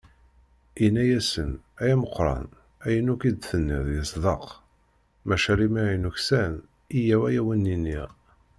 Yenna-asen: "Ay ameqqran, ayen akk i d-tenniḍ yesdeq, maca lemmer i nuksan, yyaw ad awen-iniɣ."